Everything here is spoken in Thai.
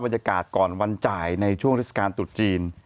บรรยากาศก่อนวันจ่ายในช่วงเทศกาลตรุษจีน